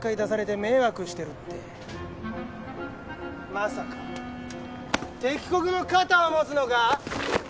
「まさか敵国の肩を持つのか？」